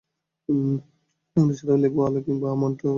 এগুলো ছাড়াও লেবু, আলু কিংবা আমন্ড অয়েল ব্যবহারেও কালচে দাগ দূর করা যায়।